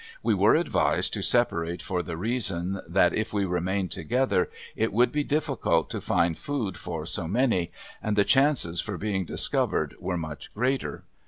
We were advised to separate for the reason that if we remained together it would be difficult to find food for so many, and the chances for being discovered were much greater.